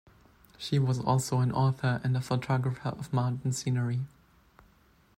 She was also an author and a photographer of mountain scenery.